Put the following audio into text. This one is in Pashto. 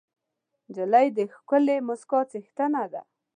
نجلۍ د ښکلې موسکا څښتنه ده.